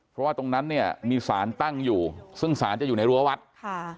เพราะว่าตรงนั้นเนี่ยมีสารตั้งอยู่ซึ่งศาลจะอยู่ในรั้ววัดค่ะ